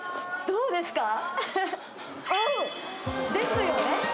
どうですか？